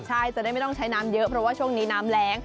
ใช่จะได้ไม่ต้องใช้น้ำเยอะเพราะว่าช่วงนี้น้ำแรง